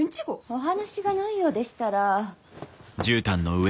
お話がないようでしたら。